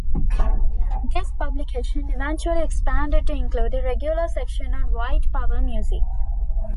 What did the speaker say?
This publication eventually expanded to include a regular section on white power music.